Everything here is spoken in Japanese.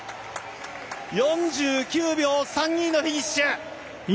４９秒３２のフィニッシュ。